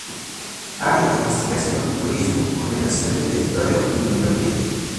Área de investigación: Turismo, Ordenación del Territorio y Medio Ambiente.